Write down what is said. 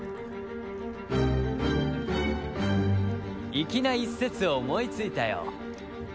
粋な一節を思いついたよ。